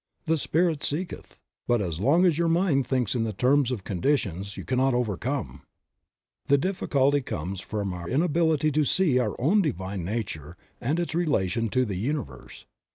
'The Spirit seeketh," but as long as your mind thinks in the terms of conditions you cannot overcome. The difficulty comes from our inability to see our own Divine nature, and its relation to the Universe.